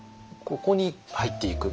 ここに入っていく。